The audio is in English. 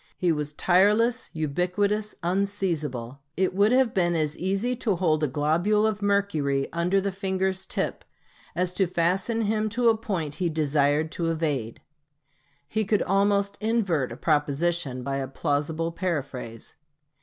He was tireless, ubiquitous, unseizable. It would have been as easy to hold a globule of mercury under the finger's tip as to fasten him to a point he desired to evade. He could almost invert a proposition by a plausible paraphrase.